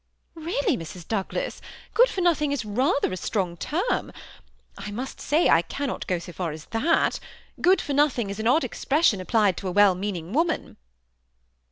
" Really, Mrs. Douglas, good for nothing is rather a strong term. I must say I cannot go so far as that; good for nothing is an odd expression applied to a well meaning woman."